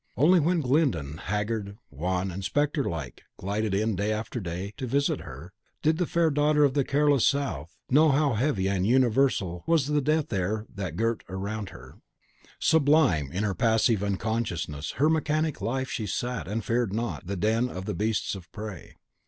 Only when Glyndon, haggard, wan, and spectre like, glided in, day after day, to visit her, did the fair daughter of the careless South know how heavy and universal was the Death Air that girt her round. Sublime in her passive unconsciousness, her mechanic life, she sat, and feared not, in the den of the Beasts of Prey.